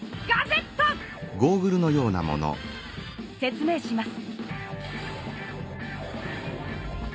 説明します。